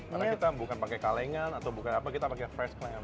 karena kita bukan pakai kalengan atau bukan apa kita pakai fresh clam